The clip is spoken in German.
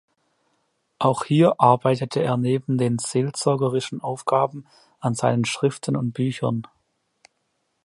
Auch hier arbeitete er neben den seelsorgerlichen Aufgaben an seinen Schriften und Büchern.